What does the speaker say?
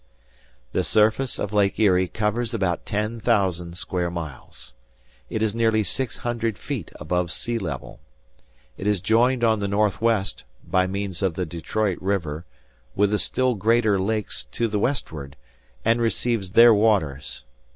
The surface of Lake Erie covers about ten thousand square miles. It is nearly six hundred feet above sea level. It is joined on the northwest, by means of the Detroit River, with the still greater lakes to the westward, and receives their waters.